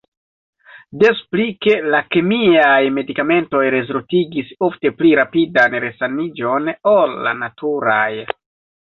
Des pli ke la kemiaj medikamentoj rezultigis ofte pli rapidan resaniĝon ol la naturaj.